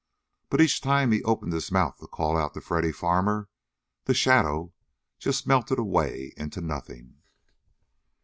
But each time he opened his mouth to call out to Freddy Farmer the "shadow" just melted away into nothing.